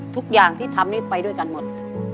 ทุกอย่างที่ทำนี่ไปด้วยกันหมด